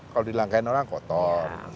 kalau dilangkain orang kotor